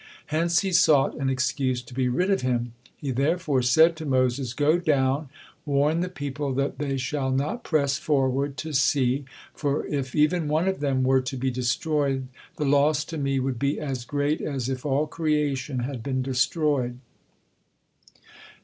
Hence He sought an excuse to be rid of him. He therefore said to Moses: "Go down, warn the people, that they shall not press forward to see, for if even one of them were to be destroyed, the loss to Me would be as great as if all creation had been destroyed.